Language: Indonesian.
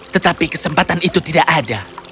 tetapi kesempatan itu tidak ada